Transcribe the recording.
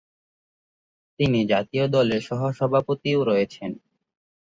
তিনি জাতীয় দলের সহ-সভাপতিও রয়েছেন।